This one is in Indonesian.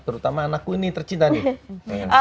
terutama anakku ini tercinta nih